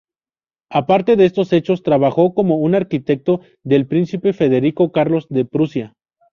Aparte de estos hechos, trabajó como un arquitecto del Príncipe Federico Carlos de Prusia.